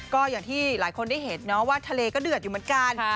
ก็อย่างที่หลายคนได้เห็นเนาะว่าทะเลก็เดือดอยู่เหมือนกัน